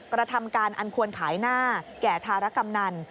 กระทำการอันควรขายหน้าแก่ธารกำนัน